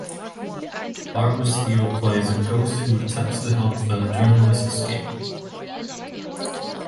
Barbara Steele plays a ghost who attempts to help the journalist escape.